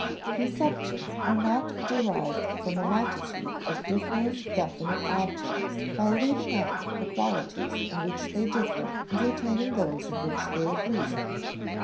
Conceptions are not derived from a multitude of different definite objects by leaving out the qualities in which they differ and retaining those in which they agree.